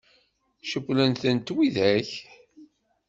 Cewwlen-tent widak?